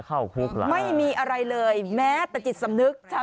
แม่ของแม่ชีอู๋ได้รู้ว่าแม่ของแม่ชีอู๋ได้รู้ว่า